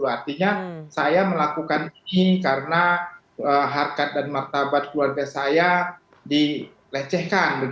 artinya saya melakukan ini karena harkat dan martabat keluarga saya dilecehkan